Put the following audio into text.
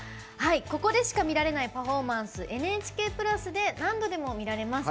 ここでしか見られないパフォーマンス「ＮＨＫプラス」で何度でも見られます。